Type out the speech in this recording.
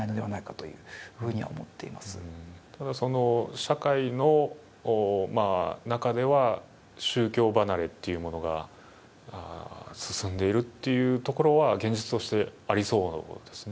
社会の中では宗教離れというものが進んでいるというところは現実としてありそうですね。